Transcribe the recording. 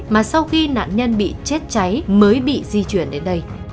mà sau khi nạn nhân bị chết cháy mới bị di chuyển đến đây